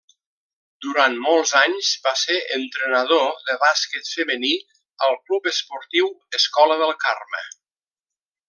Durant molts anys va ser entrenador de bàsquet femení al Club Esportiu Escola del Carme.